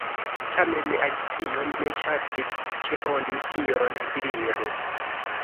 Tamen Alicio ne ŝatis ke oni tion diru.